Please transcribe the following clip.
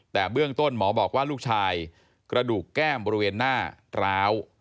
แต่เบื้องต้นหมอบอกว่าลูกชายกระดูกแก้มบริเวณหน้าร้าว